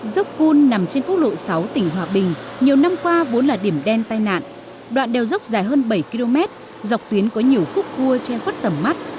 dốc cun nằm trên quốc lộ sáu tỉnh hòa bình nhiều năm qua vốn là điểm đen tai nạn đoạn đèo dốc dài hơn bảy km dọc tuyến có nhiều khúc cua che khuất tầm mắt